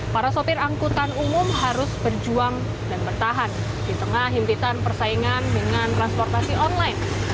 para sopir angkutan umum harus berjuang dan bertahan di tengah himpitan persaingan dengan transportasi online